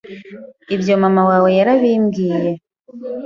Ibyo Mama wawe yarabimbwiye,